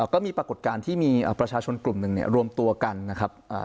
ปรากฏการณ์ที่มีประชาชนกลุ่มหนึ่งเนี่ยรวมตัวกันนะครับ